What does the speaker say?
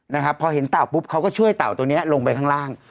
นะครับพอเห็นเต่าปุ๊บเขาก็ช่วยเต่าตัวนี้ลงไปข้างล่าง